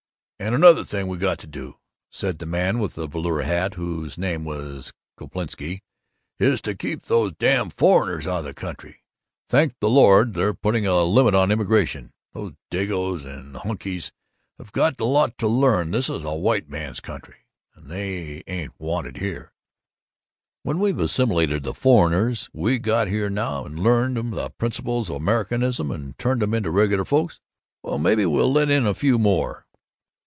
And another thing we got to do," said the man with the velour hat (whose name was Koplinsky), "is to keep these damn foreigners out of the country. Thank the Lord, we're putting a limit on immigration. These Dagoes and Hunkies have got to learn that this is a white man's country, and they ain't wanted here. When we've assimilated the foreigners we got here now and learned 'em the principles of Americanism and turned 'em into regular folks, why then maybe we'll let in a few more."